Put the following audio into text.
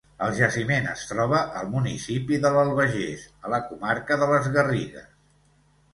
El jaciment es troba al municipi de l'Albagés, a la comarca de les Garrigues.